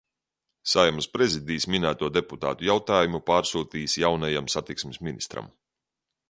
Saeimas Prezidijs minēto deputātu jautājumu pārsūtīs jaunajam satiksmes ministram.